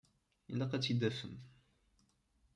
Ilaq ad t-id-tafem.